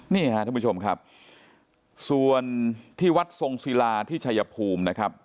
นี่ค่ะท่านผู้ชมครับส่วนที่วัดทรงศิลาที่ชายภูมินะครับ